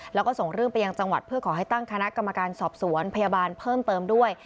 แล้วก็ส่งเรื่องไปยังจังหวัดเพื่อขอให้ตั้งคณะกรรมการสอบสวนพยาบาลเพิ่มเติมด้วย